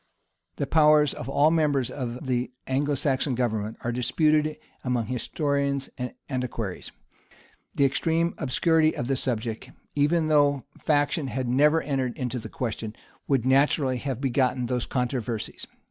The powers of all the members of the Anglo Saxon government are disputed among historians and antiquaries: the extreme obscurity of the subject, even though faction had never entered into the question, would naturally have begotten those controversies.